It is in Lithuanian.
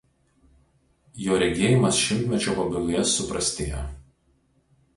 Jo regėjimas šimtmečio pabaigoje suprastėjo.